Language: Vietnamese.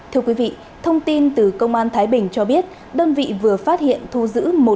thưa quý vị thông tin từ công an thái bình cho biết đơn vị vừa phát hiện thu giữ